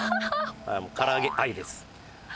もうから揚げ愛です。